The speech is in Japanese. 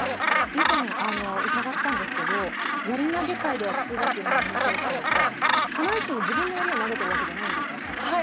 以前、伺ったんですけど、やり投げ界では普通だということですが必ずしも自分のやりを投げてるわけじゃないんですよね。